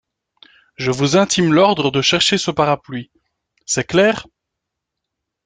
Je vous intime l’ordre de chercher ce parapluie… c’est clair !